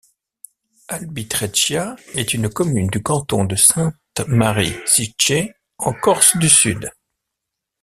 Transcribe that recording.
Albitreccia est une commune du canton de Sainte-Marie-Sicché en Corse-du-Sud.